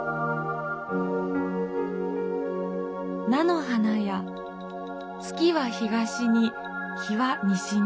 「菜の花や月は東に日は西に」。